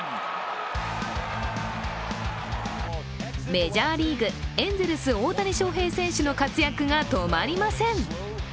メジャーリーグエンゼルス・大谷翔平選手の活躍が止まりません。